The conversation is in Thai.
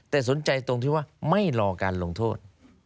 แต่สนใจตรงที่ว่าไม่รอการลงโทษ